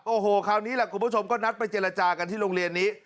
โอ้โหคราวนี้แหละคุณผู้ชมก็นัดไปเจรจากันที่โรงเรียนนี้